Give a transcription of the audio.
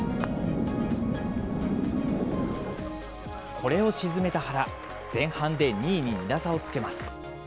これを沈めた原、前半で２位に２打差をつけます。